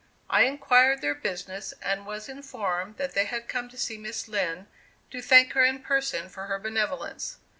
I inquired their business, and was informed that they had come to see Miss Lind, to thank her in person for her benevolence.